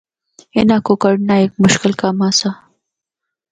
انّاں کو کنڈنا ہک مشکل کم آسا۔